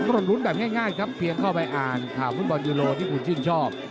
ต้องลุ้นแบบง่ายครับเพียงเข้าไปอ่านข่าวฟุตบอลยูโรที่คุณชื่นชอบ